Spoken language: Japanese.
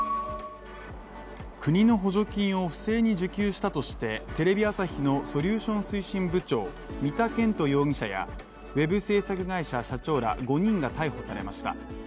国の補助金を不正に受給したとして、テレビ朝日のソリューション推進部長、三田研人容疑者やウェブ制作会社社長ら５人が逮捕されました。